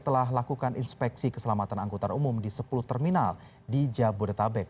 telah lakukan inspeksi keselamatan angkutan umum di sepuluh terminal di jabodetabek